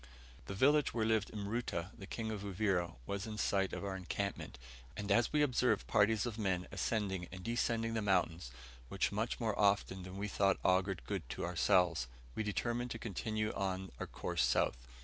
The village where lived Mruta, the King of Uvira, was in sight of our encampment, and as we observed parties of men ascending and descending the mountains much more often than we thought augured good to ourselves, we determined to continue on our course south.